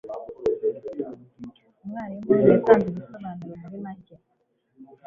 Umwarimu yatanze ibisobanuro muri make.